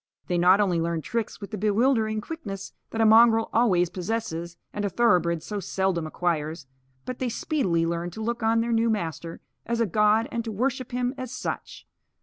They not only learned tricks with the bewildering quickness that a mongrel always possesses and a thoroughbred so seldom acquires, but they speedily learned to look on their new master as a god and to worship him as such.